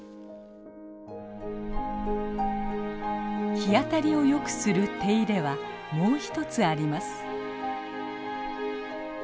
日当たりをよくする手入れはもう一つあります。